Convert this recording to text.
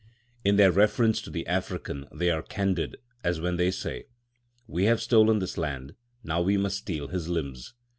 In their reference to the African they are candid, as when they say, "We have stolen his land. Now we must steal his limbs."